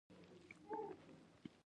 د ارغستان انار ښه دي